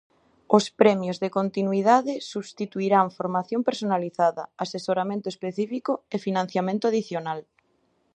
Os premios de continuidade subministrarán formación personalizada, asesoramento específico e financiamento adicional.